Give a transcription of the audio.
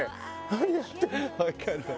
「何やってるの」。